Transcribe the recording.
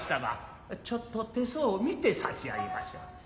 ちょっと手相を見て差し上げましょう。